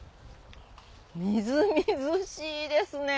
みずみずしいですね。